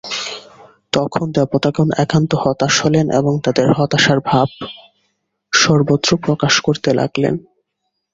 তখন দেবতাগণ একান্ত হতাশ হলেন এবং তাঁদের হাতাশার ভাব সর্বত্র প্রকাশ করতে লাগলেন।